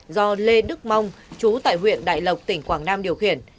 do lê đức mong chú tại huyện đại lộc tỉnh quảng nam điều khiển